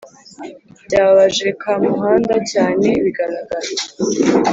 Byababaje Kamuhanda cyane bigaragara